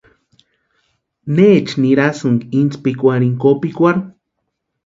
¿Necha nirasïnki intspikwarhini kopikwarhu?